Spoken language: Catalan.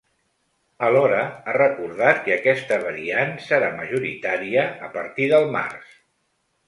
Alhora ha recordat que aquesta variant serà majoritària a partir del març.